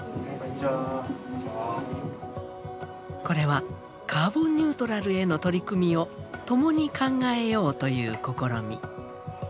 これはカーボンニュートラルへの取り組みをともに考えようという試み。